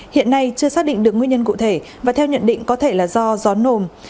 hiện nay chưa xác định được nguyên nhân cụ thể và theo nhận định có thể là do gió nồm